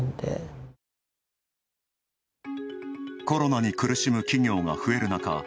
コロナに苦しむ企業が増える中